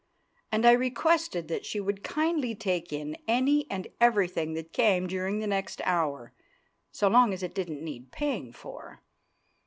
And I requested that she would kindly take in any and everything that came during the next hour (so long as it didn't need paying for!)